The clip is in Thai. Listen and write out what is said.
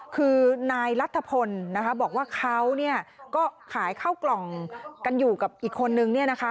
คือนายรัฐพลนะคะบอกว่าเขาก็ขายข้าวกล่องกันอยู่กับอีกคนนึงเนี่ยนะคะ